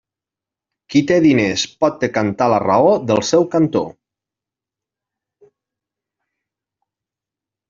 Qui té diners pot decantar la raó del seu cantó.